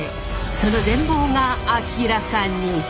その全貌が明らかに！